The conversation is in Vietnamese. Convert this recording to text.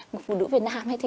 một phụ nữ việt nam ấy thì